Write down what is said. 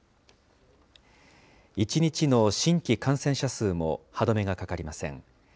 １日の新規感染者数も歯止めがかかりません。